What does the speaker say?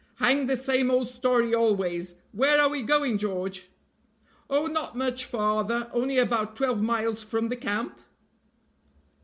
Hang the same old story always; where are we going, George?" "Oh, not much farther, only about twelve miles from the camp?"